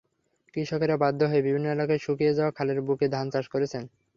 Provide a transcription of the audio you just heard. কৃষকেরা বাধ্য হয়ে বিভিন্ন এলাকায় শুকিয়ে যাওয়া খালের বুকে ধান চাষ করছেন।